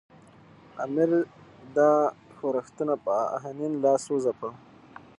امیر دا ښورښونه په آهنین لاس وځپل.